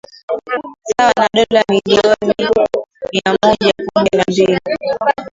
sawa na dola milioni mia mmoja kumi na mbili